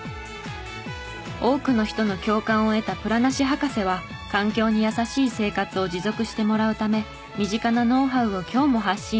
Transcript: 多くの人の共感を得たプラなし博士は環境に優しい生活を持続してもらうため身近なノウハウを今日も発信し続けます。